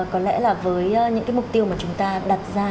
có lẽ là với những cái mục tiêu mà chúng ta đặt ra